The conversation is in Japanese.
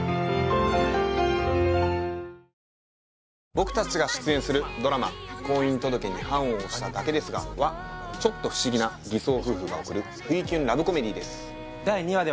僕達が出演するドラマ「婚姻届に判を捺しただけですが」はちょっと不思議な偽装夫婦が送るふいキュンラブコメディーです